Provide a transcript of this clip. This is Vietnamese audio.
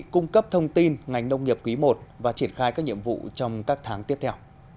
cung cấp thông tin ngành nông nghiệp quý i và triển khai các nhiệm vụ trong các tháng tiếp theo